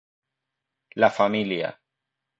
La familia.